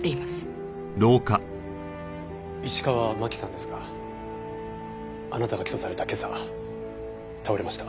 石川麻紀さんですがあなたが起訴された今朝倒れました。